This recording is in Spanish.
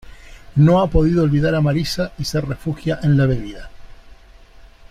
No ha podido olvidar a Marissa y se refugia en la bebida.